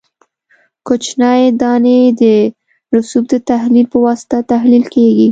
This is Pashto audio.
کوچنۍ دانې د رسوب د تحلیل په واسطه تحلیل کیږي